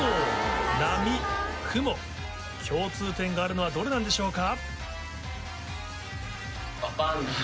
共通点があるのはどれなんでしょうか？